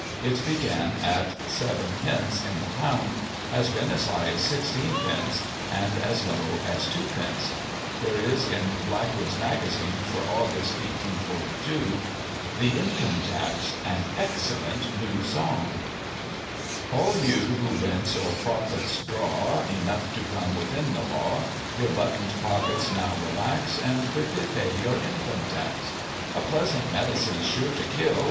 It began at /d. in the pound, has been as high as i6d., and as. low as 2d. There is in Blackwood' s Magazine for Aug.,. 1842 : "The Income Tax. An excellent New Song. All you who rents, or profits draw, Enough to come within the law, Your button'd pockets now relax, And quickly pay your Income Tax. A pleasant medicine's sure to kill.